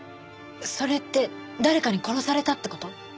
それって誰かに殺されたって事？